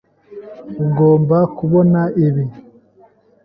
Ugomba kubona ibi.